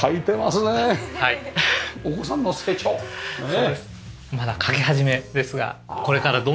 ねえ。